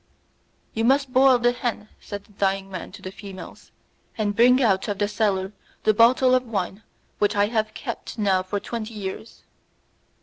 "You must boil the hen," said the dying man to the females, "and bring out of the cellar the bottle of wine which I have kept now for twenty years."